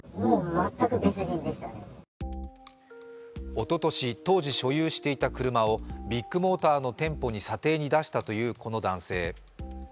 おととし、当時所有していた車をビッグモーターの店舗に査定に出したというこの男性。